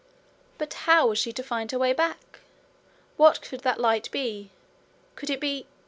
But how was she to find her way back? What could that light be? Could it be